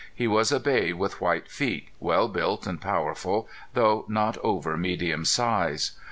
He was a bay with white feet, well built and powerful, though not over medium size.